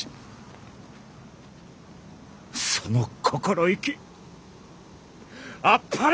その心意気あっぱれ！